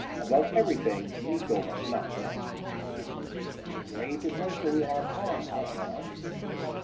Above everything, Miko must not know. "A great adventure we are upon, Haljan."